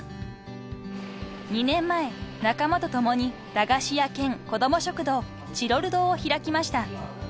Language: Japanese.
［２年前仲間と共に駄菓子屋兼子ども食堂チロル堂を開きました］